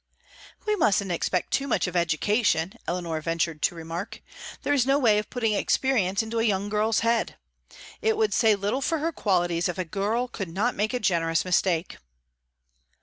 "We mustn't expect too much of education," Eleanor ventured to remark. "There is no way of putting experience into a young girl's head. It would say little for her qualities if a girl could not make a generous mistake."